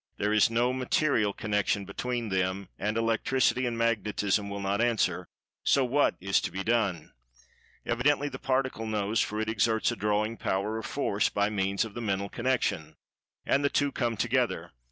There is no material connection between them (and Electricity and Magnetism will not answer), so what is to be done? Evidently the Particle knows, for it exerts a "drawing" power or force by means of the Mental connection, and two come together.